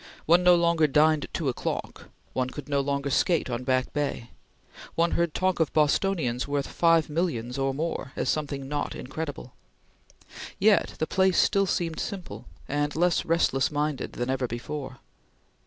One no longer dined at two o'clock; one could no longer skate on Back Bay; one heard talk of Bostonians worth five millions or more as something not incredible. Yet the place seemed still simple, and less restless minded than ever before.